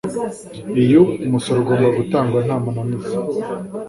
Iyu umusoro ugomba gutangwa ntamananiza